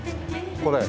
これ。